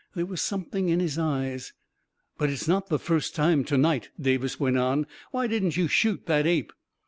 " There was something in his eyes ..." 44 But it's not the first time to night," Davis went on. " Why didn't you shoot that ape